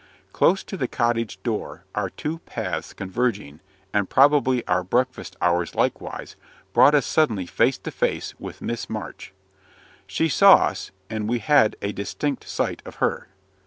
Close to the cottage door, our two paths converging, and probably our breakfast hours likewise, brought us suddenly face to face with Miss March. She saw us, and we had a distinct sight of her.